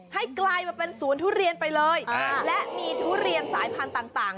ให้ไกลมาเป็นศูนย์ทุเรียนไปเลยอ่าและมีทุเรียนสายพันธุ์ต่างต่าง